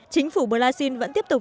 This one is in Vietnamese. chính phủ brazil vẫn tiếp tục